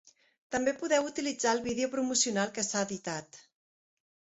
També podeu utilitzar el vídeo promocional que s'ha editat.